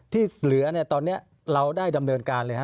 ที่เหลือตอนนี้เราได้ดำเนินการเลยฮะ